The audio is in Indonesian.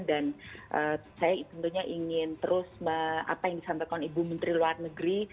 dan saya tentunya ingin terus apa yang disampaikan ibu menteri luar negeri